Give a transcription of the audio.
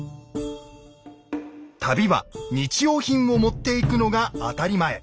旅は日用品を持っていくのが当たり前。